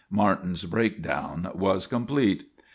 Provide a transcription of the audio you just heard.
Martin's breakdown was complete.